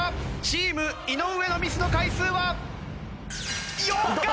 チーム井上のミスの回数は４回！